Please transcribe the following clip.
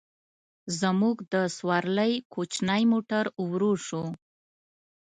زموږ د سورلۍ کوچنی موټر ورو شو.